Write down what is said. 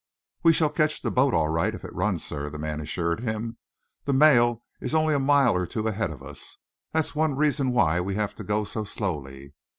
"We shall catch the boat all right if it runs, sir," the man assured him. "The mail is only a mile or two ahead of us; that's one reason why we have to go so slowly.